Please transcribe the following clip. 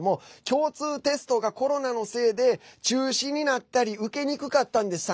共通テストがコロナのせいで中止になったり受けにくかったんです。